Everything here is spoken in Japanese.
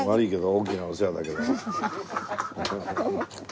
大きなお世話だけど。